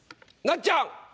なっちゃん！